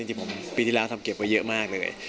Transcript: จริงผมปีที่แล้วทำเก็บไว้เยอะมากเลย